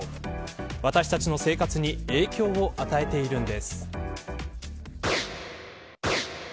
私たちの生活に影響を与えているんです。